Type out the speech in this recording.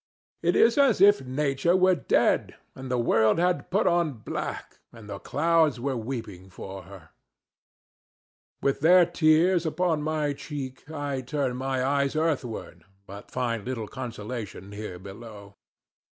It is as if Nature were dead and the world had put on black and the clouds were weeping for her. With their tears upon my cheek I turn my eyes earthward, but find little consolation here below.